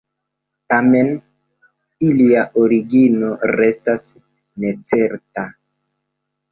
Tamen, ilia origino restas necerta.